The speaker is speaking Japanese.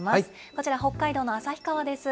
こちら、北海道の旭川です。